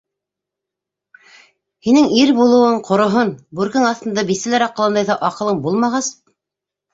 Һинең ир булыуың ҡороһон, бүркең аҫтында бисәләр аҡылындай ҙа аҡылың булмағас!